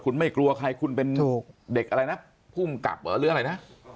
คุณไม่กลัวใครคุณเป็นเด็กอะไรนะภูมิกับเหรอหรืออะไรนะ